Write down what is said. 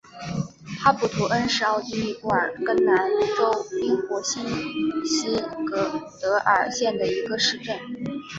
哈布图恩是奥地利布尔根兰州滨湖新锡德尔县的一个市镇。